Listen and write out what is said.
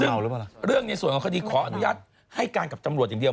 เรื่องในส่วนของคดีขออนุญาตให้การกับตำรวจอย่างเดียว